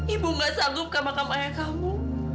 ibu gak sanggup ke makam ayah kamu